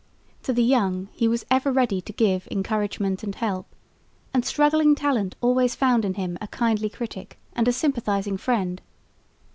To the young he was ever ready to give encouragement and help; and struggling talent always found in him a kindly critic and a sympathising friend.